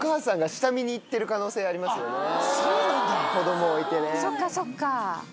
そっかそっか。